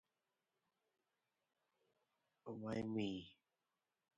For today's swing dancers, it is a line dance.